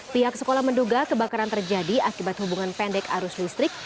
pihak sekolah menduga kebakaran terjadi akibat hubungan pendek arus listrik